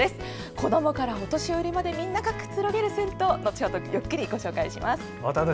子どもからお年寄りまでみんながくつろげる銭湯後程ご紹介します。